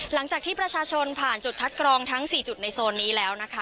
หลังจากที่ประชาชนผ่านจุดคัดกรองทั้ง๔จุดในโซนนี้แล้วนะคะ